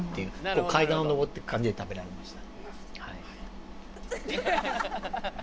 階段を上ってく感じで食べられました。